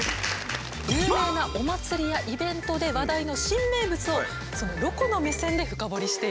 有名なお祭りやイベントで話題の新名物をロコの目線で深掘りしていきます。